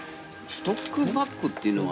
◆ストックバッグというのは。